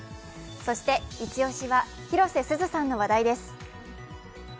そしてイチ押しは広瀬すずさんの話題です。